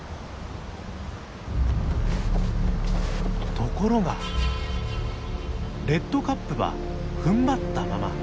ところがレッドカップはふんばったまま。